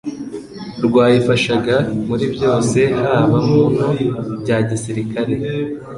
rwayifashaga muri byose haba mu no bya gisirikare